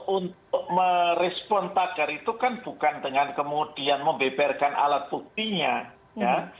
untuk merespon tagar itu kan bukan dengan kemudian membeberkan alat buktinya ya